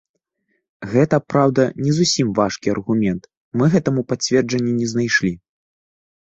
Гэта, праўда, не зусім важкі аргумент, мы гэтаму пацверджання не знайшлі.